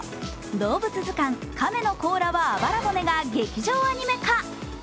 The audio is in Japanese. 動物図鑑「カメの甲羅はあばら骨」が劇場アニメ化。